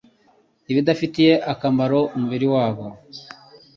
ibidafitiye akamaro umubiri wabo.